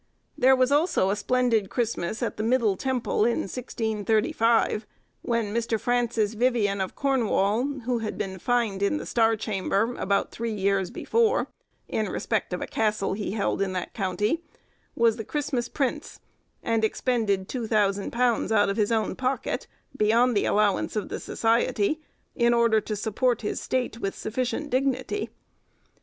There was also a splendid Christmas at the Middle Temple, in 1635, when Mr. Francis Vivian, of Cornwall, who had been fined in the Star Chamber, about three years before, in respect of a castle he held in that county, was the Christmas Prince, and expended £2000 out of his own pocket, beyond the allowance of the Society, in order to support his state with sufficient dignity.